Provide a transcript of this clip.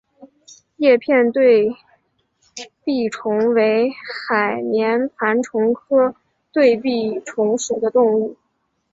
叶片对臂虫为海绵盘虫科对臂虫属的动物。